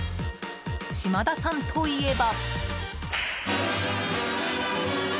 島田さんといえば。